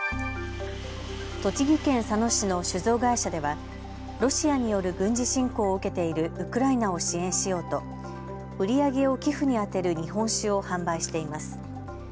栃木県佐野市の酒造会社ではロシアによる軍事侵攻を受けているウクライナを支援しようと売り上げを寄付に充てる日本酒を販売しています。